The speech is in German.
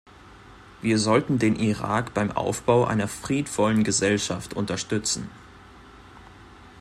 Wir sollten den Irak beim Aufbau einer friedvollen Gesellschaft unterstützen.